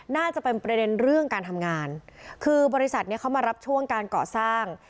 น่าจะเป็นประเด็นเรื่องการทำงานคือบริษัทเนี้ยเขามารับช่วงการก่อสร้าง